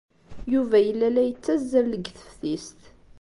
Yuba yella la yettazzal deg teftist.